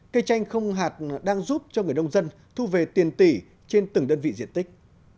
cây chanh không hạt đang giúp cho người nông dân thu về tiền tỷ trên từng đơn vị diện tích